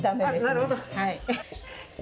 なるほど。